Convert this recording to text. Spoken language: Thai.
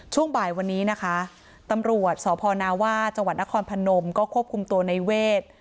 ช่วงบ่ายวันนี้นะคะตำรวจสพนาว่าจังหวัดนครพนมก็ควบคุมตัวในเวท